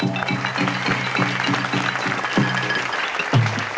ร้องคลับอั้นเหมือนกับเรา